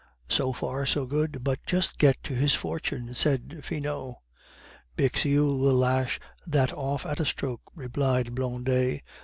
"So far so good, but just get to his fortune," said Finot. "Bixiou will lash that off at a stroke," replied Blondet.